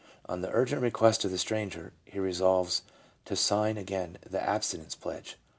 On the urgent request of the stranger, he resolves to sign again the absti nence pledge.